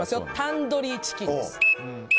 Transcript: タンドリーチキンです。